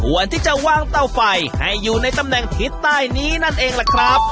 ที่จะวางเตาไฟให้อยู่ในตำแหน่งทิศใต้นี้นั่นเองล่ะครับ